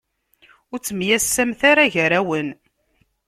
Ur ttemyasamet ara gar-awen.